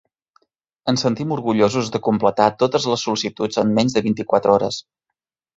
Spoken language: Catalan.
Ens sentim orgullosos de completar totes les sol·licituds en menys de vint-i-quatre hores.